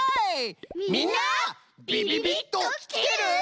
みんなびびびっときてる？